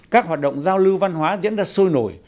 các hoạt động giao lưu văn hóa diễn ra sôi nổi